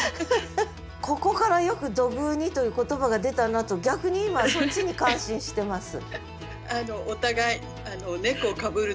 ここからよく「土偶似」という言葉が出たなと逆に今そっちに感心してます。